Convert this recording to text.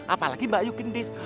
apalagi mbak ayu gendis